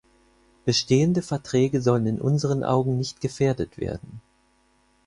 Bestehende Verträge sollen in unseren Augen nicht gefährdet werden.